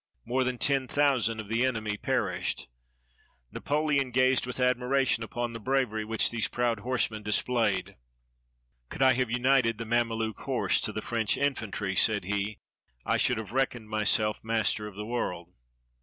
More than ten thousand of the enemy perished. Napoleon gazed with 226 THE BATTLE OF THE PYRAMIDS admiration upon the bravery which these proud horse men displayed. "Could I have united the Mameluke horse to the French infantry," said he, "I should have reckoned myself master of the world."